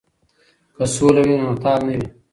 که سوله وي نو تال نه وي.